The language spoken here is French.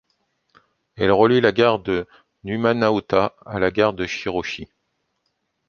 Elle relie la gare de Numanohata à la gare de Shiroishi.